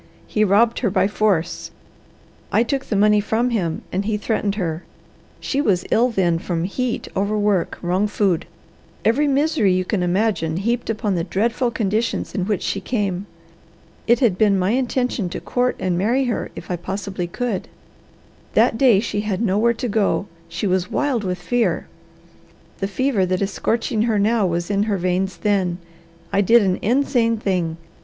He robbed her by force. I took the money from him, and he threatened her. She was ill then from heat, overwork, wrong food every misery you can imagine heaped upon the dreadful conditions in which she came. It had been my intention to court and marry her if I possibly could. That day she had nowhere to go; she was wild with fear; the fever that is scorching her now was in her veins then. I did an insane thing.